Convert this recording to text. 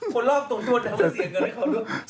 คนรอบตรงตรวจแต่เขาไม่เสียเงินให้เขาด้วย